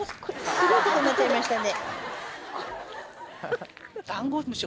すごいことになっちゃいましたね。